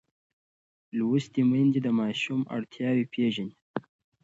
لوستې میندې د ماشوم اړتیاوې پېژني.